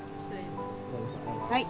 はい。